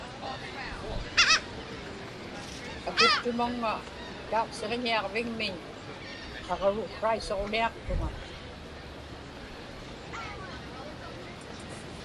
akiptumaŋŋa tauqsiġñiaġvigmiñ qaġruksraisuġniaqtuŋa